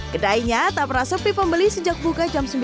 kedainya tak pernah sepi pembeli sejak buka jam sembilan